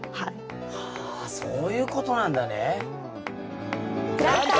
はあそういうことなんだね。